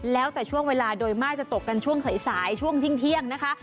แล้วแต่ช่วงเวลาโดยมากจะตกกันช่วงสายช่วงเที่ยงนะคะ